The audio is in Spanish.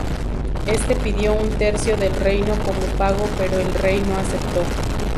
Éste pidió un tercio del reino como pago, pero el rey no aceptó.